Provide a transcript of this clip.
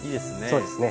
そうですね。